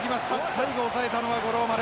最後押さえたのは五郎丸。